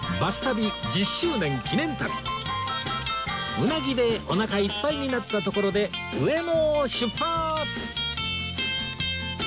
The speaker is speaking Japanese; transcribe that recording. うなぎでおなかいっぱいになったところで上野を出発！